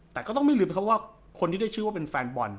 แต่ก็ต้องไม่ลืมนะครับว่าคนที่ได้ชื่อว่าเป็นแฟนบอล